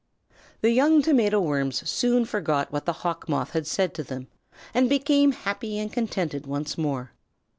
The young Tomato Worms soon forgot what the Hawk Moth had said to them, and became happy and contented once more.